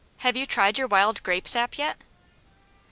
Have you tried your wild grape sap yet?"